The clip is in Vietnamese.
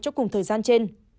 cho cùng thời gian trên